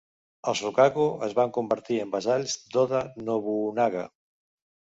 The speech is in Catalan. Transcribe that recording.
Els Rokkaku es van convertir en vassalls d'Oda Nobunaga.